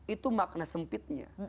itu makna sempitnya